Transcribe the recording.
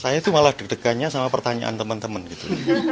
saya itu malah deg degannya sama pertanyaan teman teman gitu